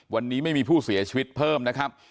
วันนี้ไม่มีผู้เสียชีวิตเพิ่มนะครับ